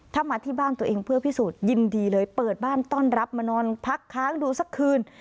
ถ้ามาที่บ้านตัวเองเพื่อพิสูจน์ยินดีเลยเปิดบ้านต้อนรับมานอนพักค้างดูสักคืน